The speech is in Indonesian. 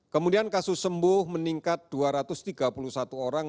kemudian kasus sembuh meningkat dua ratus tiga puluh satu orang